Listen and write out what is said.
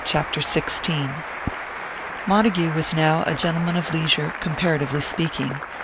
CHAPTER XVI Montague was now a gentleman of leisure, comparatively speaking.